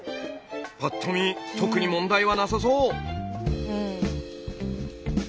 ぱっと見とくに問題はなさそう。